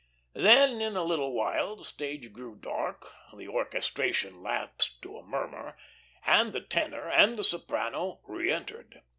Then in a little while the stage grew dark, the orchestration lapsed to a murmur, and the tenor and the soprano reentered.